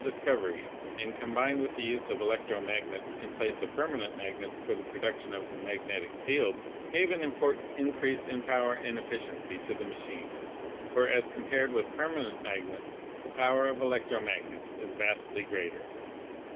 discovery, and, combined with the use of electro magnets in place of permanent magnets for the production of the magnetic field, gave an important increase in power and efficiency to the machine ; for as compared with perma nent magnets the power of electro magnets is vastly greater.